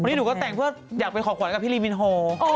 นี่หนูก็แต่งเพื่ออยากไปขอขวัญกับพี่รีมินโฮ